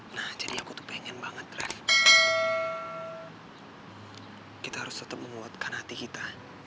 nah jadi aku tuh pengen banget deh kita harus tetap menguatkan hati kita